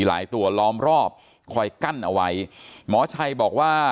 หลายตัวล้อมรอบคอยกั้นเอาไว้หมอชัยบอกว่า